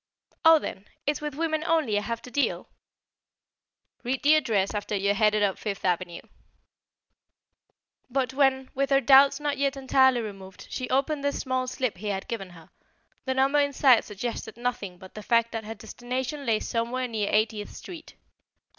"Oh, then, it's with women only I have to deal?" "Read the address after you are headed up Fifth Avenue." But when, with her doubts not yet entirely removed, she opened the small slip he had given her, the number inside suggested nothing but the fact that her destination lay somewhere near Eightieth Street.